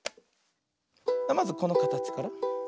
まずこのかたちから。